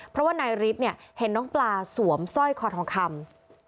เพราะว่านายฤทธิ์เนี่ยเห็นน้องปลาสวมสร้อยคอทองคำ